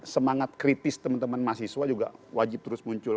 semangat kritis teman teman mahasiswa juga wajib terus muncul